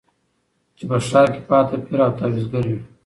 چي په ښار کي پاته پیر او تعویذګروي